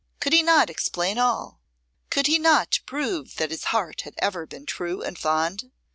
Could he not explain all? Could he not prove that his heart had ever been true and fond?